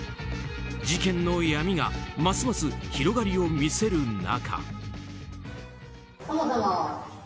事件の闇がますます広がりを見せる中。